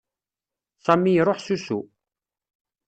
Sami iruḥ s usu.